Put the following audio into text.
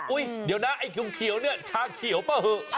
อุ้ยเดี๋ยวนะไอด์กุมเขียวเนี่ยชาเขียวป่ะหือ